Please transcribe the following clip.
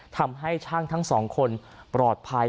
ทำให้ช่างทั้งสองคนปลอดภัย